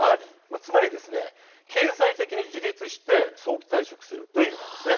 つまり経済的に自立して早期退職するという意味です。